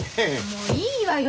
もういいわよ